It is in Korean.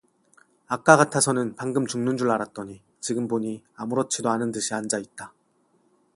아까 같아서는 방금 죽는 줄 알았더니 지금 보니 아무렇지도 않은 듯이 앉아 있다.